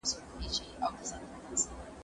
زه له سهاره د کتابتون د کار مرسته کوم؟!